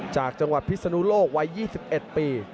จากจังหวัดพิศนุโลกวัย๒๑ปี